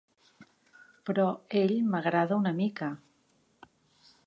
Però ell m'agrada una mica.